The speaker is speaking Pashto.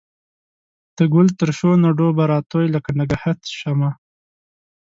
د ګل ترشو نډو به راتوی لکه نګهت شمه